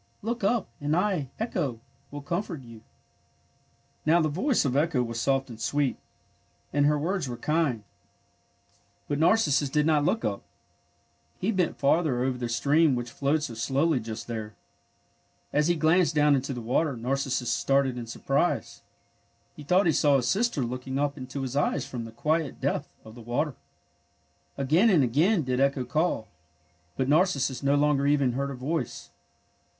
Look up, and I, Echo, will comfort you! " Now the voice of Echo was soft and sweet, and her words were kind, but Narcissus did NARCISSUS 27 not look up. He bent farther over the stream which flowed so slowly just there. As he glanced down into the water, Nar cissus started in surprise. He thought he saw his sister looking up into his eyes from the quiet depth of the water. Again and again did Echo call, but Narcissus no longer even heard her voice.